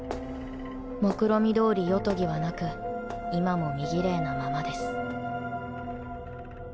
もくろみ通り夜とぎはなく今も身ぎれいなままです。